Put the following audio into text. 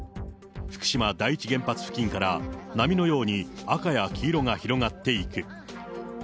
福島第一原発付近から波のように赤や黄色が広がっていく。